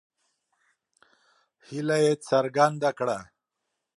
هیله یې څرګنده کړه.